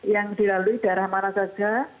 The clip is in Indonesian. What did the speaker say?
yang dilalui daerah mana saja